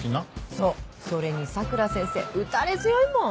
そうそれに佐倉先生打たれ強いもん。